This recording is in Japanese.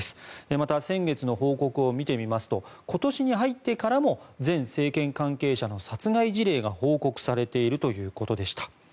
また、先月の報告を見てみますと今年に入ってからも前政権関係者の殺害事例が報告されているということでした。